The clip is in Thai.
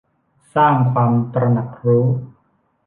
สร้างความตระหนักรู้